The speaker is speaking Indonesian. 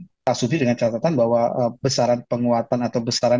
kita sudi dengan catatan bahwa besaran penguatan atau besaran